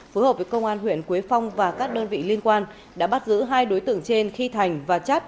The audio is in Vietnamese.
phối hợp với công an huyện quế phong và các đơn vị liên quan đã bắt giữ hai đối tượng trên khi thành và chất